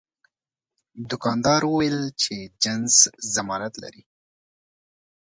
دوکاندار وویل چې جنس ضمانت لري.